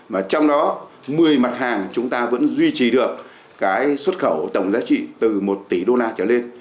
mà trong đó một mươi mặt hàng chúng ta vẫn duy trì được cái xuất khẩu tổng giá trị từ một tỷ đô la trở lên